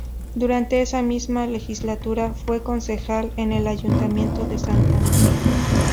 Durante esa misma legislatura, fue Concejal en el Ayuntamiento de Santander.